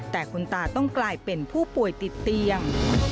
แต่คุณตาต้องกลายเป็นผู้ป่วยติดเตียง